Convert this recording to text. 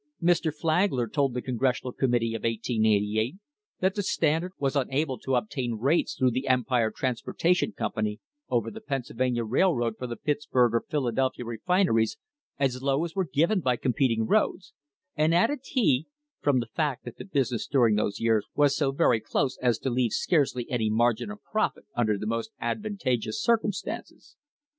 Mr. Flagler told the Congressional Committee of 1888 that the Standard was unable to obtain rates through the Empire Transportation Company over the Pennsylvania Railroad for the Pittsburg or Philadelphia re fineries as low as were given by competing roads, and, added 1 he, "from the fact that the business during those years was so very close as to leave scarcely any margin of profit under the most advantageous circumstances.